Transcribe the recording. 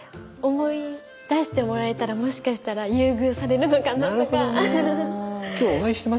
思い出してもらえたらもしかしたら優遇されるのかなとか。